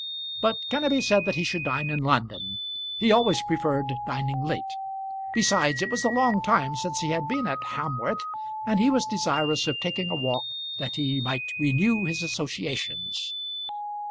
But Kenneby said that he should dine in London. He always preferred dining late. Besides, it was a long time since he had been at Hamworth, and he was desirous of taking a walk that he might renew his associations.